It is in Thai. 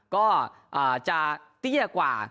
ก็จะเตี้ยกว่า